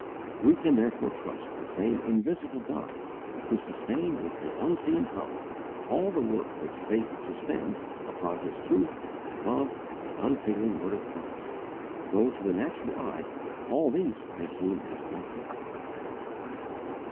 We can therefore trust the same invisible God to sustain with His unseen power all the work which faith suspends upon His truth and love and unfailing word of promise, though to the natural eye all these may seem as nothing.